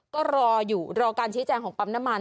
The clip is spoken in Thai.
ก็รออยู่รอการชี้แจงของปั๊มน้ำมัน